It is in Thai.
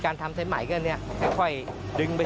ไสมัยนี่มันจะช้าไม่ได้เลยเพราะช้าเสียทั้งที